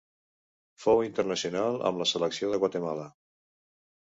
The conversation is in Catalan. Fou internacional amb la selecció de Guatemala.